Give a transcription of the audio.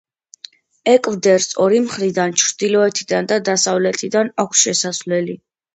ეკვდერს ორი მხრიდან, ჩრდილოეთიდან და დასავლეთიდან, აქვს შესასვლელი.